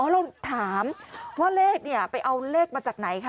เราถามว่าเลขเนี่ยไปเอาเลขมาจากไหนคะ